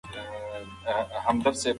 زه به سبا د مېوو له پلورنځي څخه بادام واخلم.